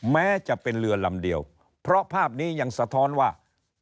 แม้จะเป็นเรือลำเดียวเพราะภาพนี้ยังสะท้อนว่า